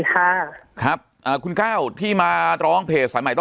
ปากกับภาคภูมิ